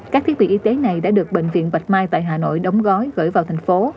các thiết bị y tế này đã được bệnh viện bạch mai tại hà nội đóng gói gửi vào thành phố